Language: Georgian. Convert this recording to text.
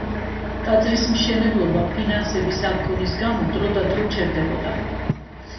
ტაძრის მშენებლობა ფინანსების არქონის გამო დროდადრო ჩერდებოდა.